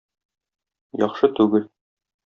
Яхшы түгел...